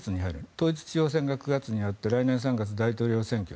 統一地方選が９月にあって来年３月、大統領選挙。